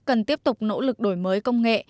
cần tiếp tục nỗ lực đổi mới công nghệ